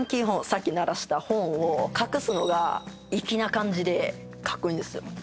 さっき鳴らしたホーンを隠すのが粋な感じでかっこいいんですよ